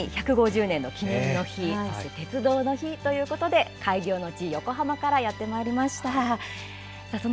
きょうがまさに１５０年の記念の日、鉄道の日ということで開業の地、横浜からやってまいりました。